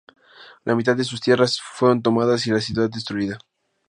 La mitad de sus tierras fueron tomadas y la ciudad destruida.